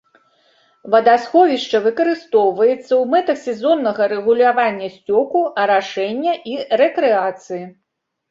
Вадасховішча выкарыстоўваецца ў мэтах сезоннага рэгулявання сцёку, арашэння і рэкрэацыі.